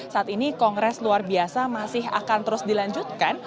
saat ini kongres luar biasa masih akan terus dilanjutkan